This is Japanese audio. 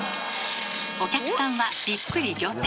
お客さんはびっくり仰天。